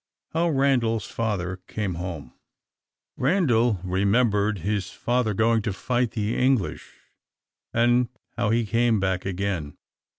How Randal's Father Came Home RANDAL remembered his father's going to fight the English, and how he came back again.